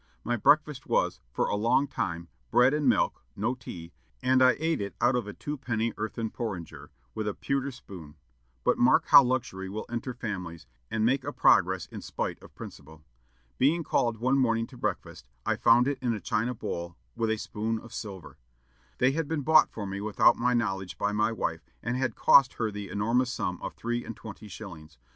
My breakfast was, for a long time, bread and milk (no tea), and I ate it out of a twopenny earthen porringer, with a pewter spoon: but mark how luxury will enter families, and make a progress in spite of principle. Being called one morning to breakfast, I found it in a china bowl, with a spoon of silver. They had been bought for me without my knowledge by my wife, and had cost her the enormous sum of three and twenty shillings!